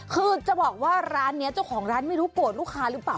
คือจะบอกว่าร้านนี้เจ้าของร้านไม่รู้โกรธลูกค้าหรือเปล่า